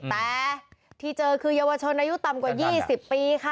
แต่ที่เจอคือเยาวชนอายุต่ำกว่า๒๐ปีค่ะ